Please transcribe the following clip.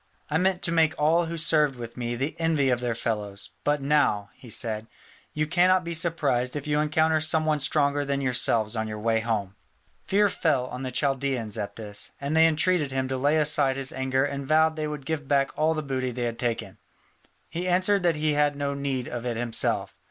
I meant to make all who served with me the envy of their fellows; but now," he said, "you cannot be surprised if you encounter some one stronger than yourselves on your way home." Fear fell on the Chaldaeans at this, and they intreated him to lay aside his anger and vowed they would give back all the booty they had taken. He answered that he had no need of it himself.